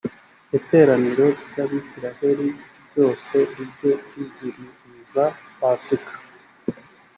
iteraniro ry abisirayeli ryose rijye riziririza pasika